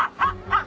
あっ！